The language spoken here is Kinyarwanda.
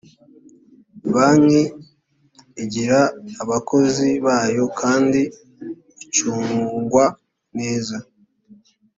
banki igira abakozi bayo kandi icungwa neza